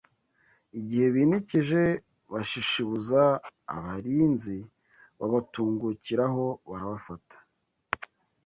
Igihe binikije bashishibuza abarinzi babatungukiraho barabafata